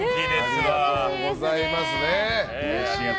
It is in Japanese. ありがとうございますね。